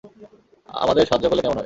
আমাদের সাহায্য করলে কেমন হয়?